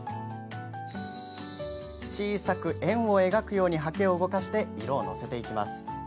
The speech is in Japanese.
小さく円を描くように、はけを動かして色を載せていきます。